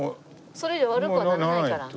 それ以上悪くはならないから。